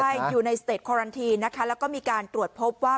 ใช่อยู่ในสเตจคอรันทีนะคะแล้วก็มีการตรวจพบว่า